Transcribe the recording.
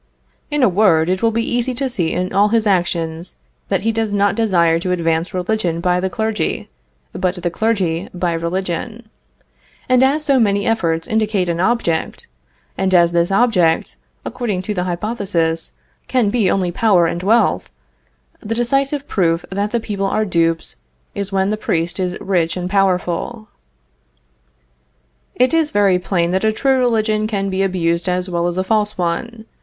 In a word, it will be easy to see in all his actions that he does not desire to advance religion by the clergy, but the clergy by religion, and as so many efforts indicate an object, and as this object, according to the hypothesis, can be only power and wealth, the decisive proof that the people are dupes is when the priest is rich and powerful. It is very plain that a true religion can be abused as well as a false one.